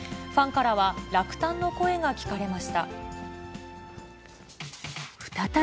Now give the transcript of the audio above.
ファンからは落胆の声が聞かれました。